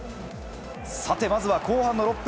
さてまずは後半の６分。